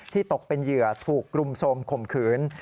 ที่ตกเป็นเหยื่อถูกกลุ่มสมข่มขืน